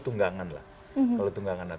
tunggangan lah kalau tunggangan